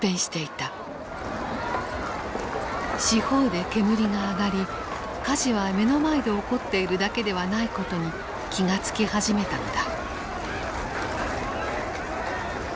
四方で煙が上がり火事は目の前で起こっているだけではないことに気が付き始めたのだ。